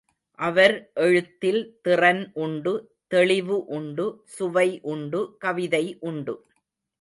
அவர் எழுத்தில் திறன் உண்டு தெளிவு உண்டு சுவை உண்டு கவிதை உண்டு.